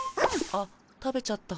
あっ食べちゃった。